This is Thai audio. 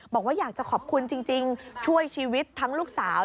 บอกว่าอยากจะขอบคุณจริงช่วยชีวิตทั้งลูกสาว